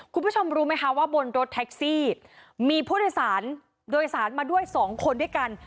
คุณผู้ชมรู้ไหมคะว่าบนรถแท็กซี่มีผู้โดยสารโดยสารมาด้วย๒คนด้วยกัน